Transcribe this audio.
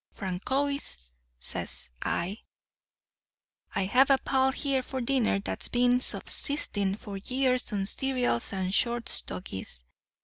"'Frankoyse,' says I, 'I have a pal here for dinner that's been subsisting for years on cereals and short stogies.